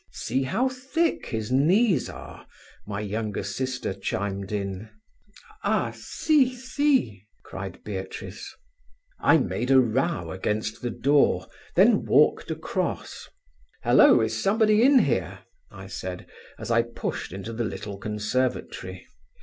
See how thick his knees are,' my younger sister chimed in. "'Ah, si, si!' cried Beatrice. "I made a row against the door, then walked across. "'Hello, is somebody in here?' I said, as I pushed into the little conservatory.